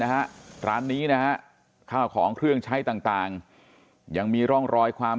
นะฮะร้านนี้นะฮะข้าวของเครื่องใช้ต่างยังมีร่องรอยความ